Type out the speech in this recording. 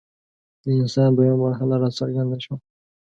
د انسان دویمه مرحله راڅرګنده شوه.